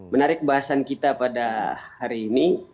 menarik bahasan kita pada hari ini